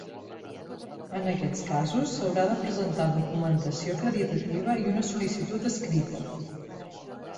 En aquests casos, s'haurà de presentar documentació acreditativa i una sol·licitud escrita.